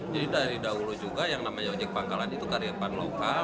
jadi dari dahulu juga yang namanya ojek panggalan itu karyawan lokal